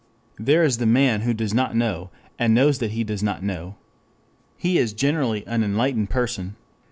There is the man who does not know and knows that he does not know. He is generally an enlightened person.